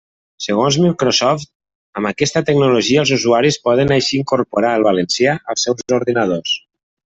Segons Microsoft, amb aquesta tecnologia els usuaris poden així incorporar el valencià als seus ordinadors.